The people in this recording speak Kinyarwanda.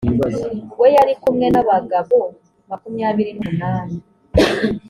we yari kumwe n abagabo makumyabiri n umunani